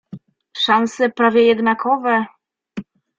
"Szanse prawie jednakowe..."